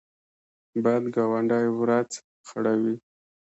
بد ګاونډی ورځ خړوي